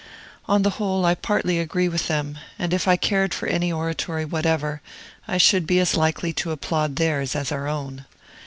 On the whole, I partly agree with them, and, if I cared for any oratory whatever, should be as likely to applaud theirs as our own.